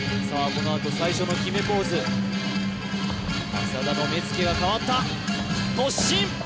このあと最初の決めポーズ浅田の目つきが変わった突進！